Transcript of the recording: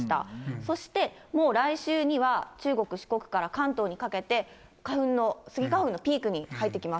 そしてもう来週には中国、四国から関東にかけて、花粉の、スギ花粉のピークに入ってきます。